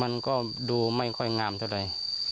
มันก็ดูไม่ค่อยงามเท่าไหร่